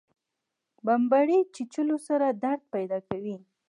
بمبړې چیچلو سره درد پیدا کوي